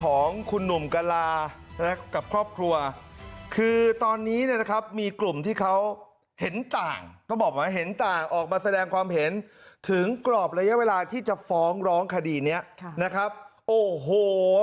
ของคุณหนุ่มกะลากับครอบครัวคือตอนนี้เนี่ยนะครับมีกลุ่มที่เขาเห็นต่างต้องบอกว่าเห็นต่างออกมาแสดงความเห็นถึงกรอบระยะเวลาที่จะฟ้องร้องคดีนี้นะครับโอ้โห